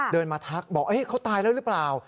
เดินมาทักบอกเขาตายแล้วหรือเปล่า